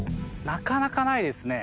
なかなかないですね